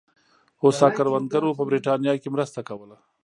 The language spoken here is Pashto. هوسا کروندګرو په برېټانیا کې مرسته کوله.